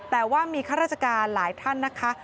แต่ว่ามีข้าราชการหลายท่านนะคะ